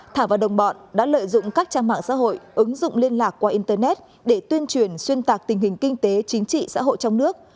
thảo và đồng bọn đã lợi dụng các trang mạng xã hội ứng dụng liên lạc qua internet để tuyên truyền xuyên tạc tình hình kinh tế chính trị xã hội trong nước